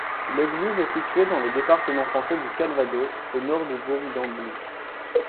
L'église est située dans le département français du Calvados, au nord du bourg d'Amblie.